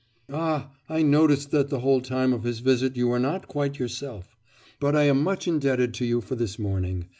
'Ah, I noticed that the whole time of his visit you were not quite yourself.... But I am much indebted to you for this morning.